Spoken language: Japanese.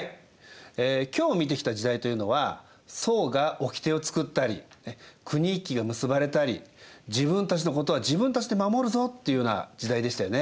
今日見てきた時代というのは惣がおきてを作ったり国一揆が結ばれたり自分たちのことは自分たちで守るぞっていうような時代でしたよね。